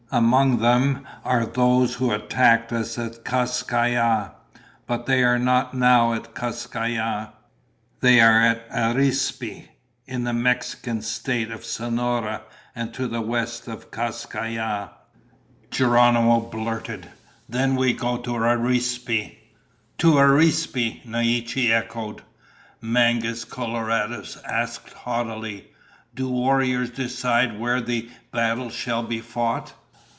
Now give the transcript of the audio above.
Among them are those who attacked us at Kas Kai Ya. But they are not now at Kas Kai Ya. They are at Arispe, in the Mexican state of Sonora and to the west of Kas Kai Ya." Geronimo blurted, "Then we go to Arispe!" "To Arispe!" Naiche echoed. Mangus Coloradus asked haughtily, "Do warriors decide where the battle shall be fought?"